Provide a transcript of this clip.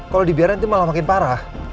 kalo dibiarin malah makin parah